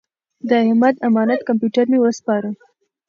د احمد امانت کمپیوټر مې وسپاره.